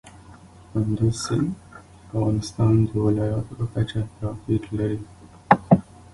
کندز سیند د افغانستان د ولایاتو په کچه توپیر لري.